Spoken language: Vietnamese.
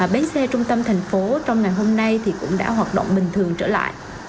bến xe trung tâm thành phố trong ngày hôm nay thì cũng đã hoạt động bình thường trở lại